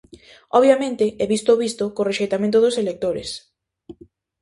Obviamente, e visto o visto, co rexeitamento dos electores.